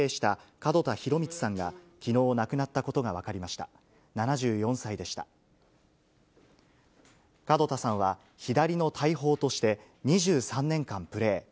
門田さんは左の大砲として、２３年間プレー。